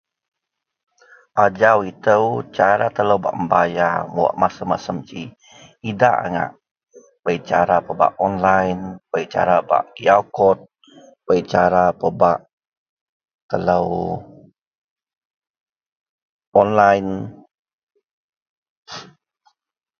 ajau itou cara telou bak membayar wak masem-masem ji idak ngak, bei cara pebak online, bei cara pebak piaw kod, bei cara pebak telou online